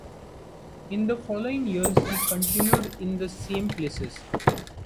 In the following years he continued in the same places.